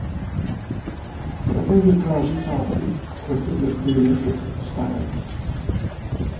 Certains étrangers sans titre profitent de ce délai pour disparaitre.